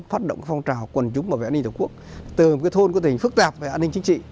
phát động phong trào quần chúng về an ninh tổ quốc từ một thôn phức tạp về an ninh chính trị